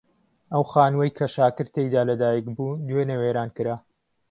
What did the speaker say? ئەو خانووەی کە شاکر تێیدا لەدایک بوو دوێنێ وێران کرا.